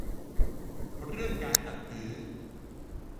เรื่องการจัดซื้อ